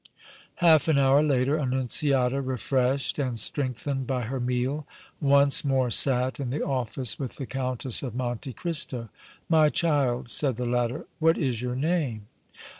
Half an hour later, Annunziata, refreshed and strengthened by her meal, once more sat in the office with the Countess of Monte Cristo. "My child," said the latter, "what is your name?"